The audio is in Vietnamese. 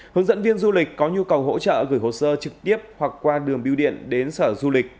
hướng dẫn viên du lịch có nhu cầu hỗ trợ gửi hồ sơ trực tiếp hoặc qua đường biêu điện đến sở du lịch